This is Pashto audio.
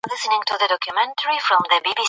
که یو بل درک کړو نو غلط فهمي نه پیدا کیږي.